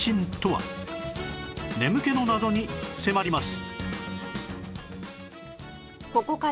眠気の謎に迫ります